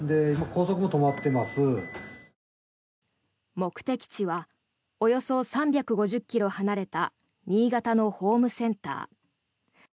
目的地はおよそ３５０ｋｍ離れた新潟のホームセンター。